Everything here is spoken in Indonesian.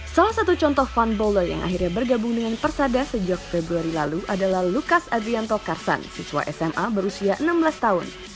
salah satu contoh fun baulo yang akhirnya bergabung dengan persada sejak februari lalu adalah lukas adrianto karsan siswa sma berusia enam belas tahun